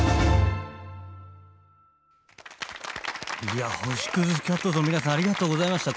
いや星屑スキャットの皆さんありがとうございました。